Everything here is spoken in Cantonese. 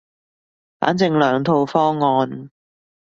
反正兩套方案